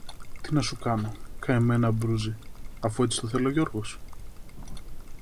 Τι να σου κάνω, καημένε Αμπρουζή, αφού έτσι το θέλει ο Γιώργος;